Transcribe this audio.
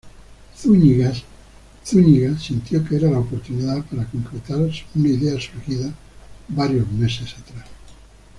Zúñiga sintió que era la oportunidad para concretar una idea surgida varios meses atrás.